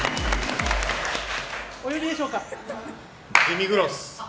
お呼びでしょうか？